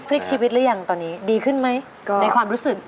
พลิกชีวิตหรือยังตอนนี้ดีขึ้นไหมในความรู้สึก